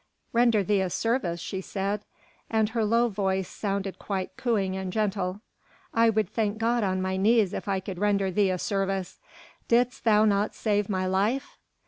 "Render thee a service," she said, and her low voice sounded quite cooing and gentle, "I would thank God on my knees if I could render thee a service. Didst thou not save my life...."